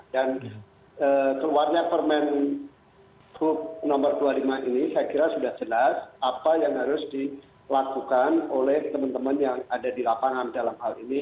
dan keluarnya permenhub nomor dua puluh lima ini saya kira sudah jelas apa yang harus dilakukan oleh teman teman yang ada di lapangan dalam hal ini